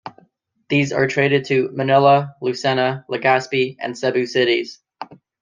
These are traded to Manila, Lucena, Legazpi, and Cebu cities.